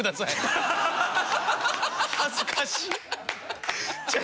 恥ずかしい。